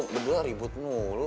lo berdua ribut mulu